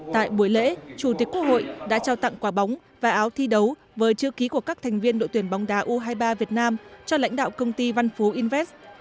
tại buổi lễ chủ tịch quốc hội đã trao tặng quà bóng và áo thi đấu với chư ký của các thành viên đội tuyển bóng đá u hai mươi ba việt nam cho lãnh đạo công ty văn phú invest